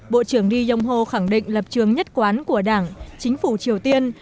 bộ trưởng ri yong ho khẳng định lập trường nhất quán của đảng chính phủ triều tiên